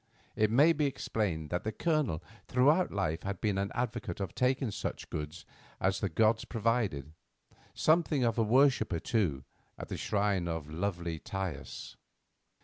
(It may be explained that the Colonel throughout life had been an advocate of taking such goods as the gods provided; something of a worshipper, too, at the shrine of lovely Thais.)